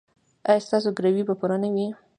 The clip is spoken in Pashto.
ایا ستاسو ګروي به پوره نه وي؟